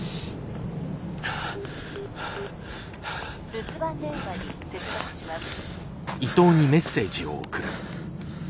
留守番電話に接続します。